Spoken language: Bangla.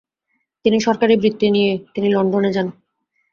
তিনি সরকারি বৃত্তি নিয়ে তিনি লন্ডন যান।